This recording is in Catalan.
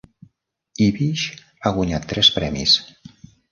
Ibish ha guanyat tres premis.